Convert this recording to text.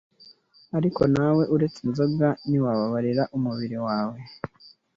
ariko nawe uretse inzoga ntiwababarira umubiri wawe